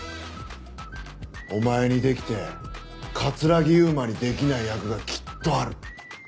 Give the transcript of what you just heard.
お前にできて城悠真にできない役がきっとある。